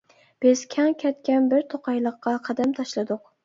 بىز كەڭ كەتكەن بىر توقايلىققا قەدەم تاشلىدۇق.